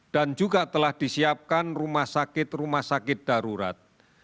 dan juga telah disiapkan rumah sakit rumah sakit darurat